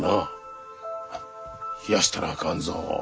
冷やしたらあかんぞ。